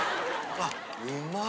あうまい。